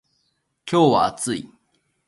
今日は暑い